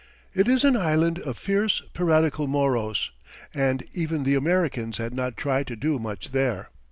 It is an island of fierce, piratical Moros, and even the Americans had not tried to do much there.